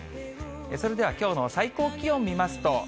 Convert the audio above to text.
それではきょうの最高気温見ますと。